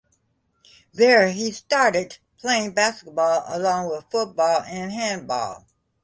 There he started playing basketball along with football and handball.